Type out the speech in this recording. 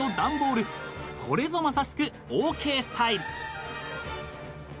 ［これぞまさしくオーケースタイル］